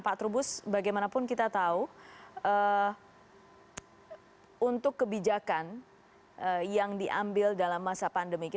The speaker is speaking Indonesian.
pak trubus bagaimanapun kita tahu untuk kebijakan yang diambil dalam masa pandemi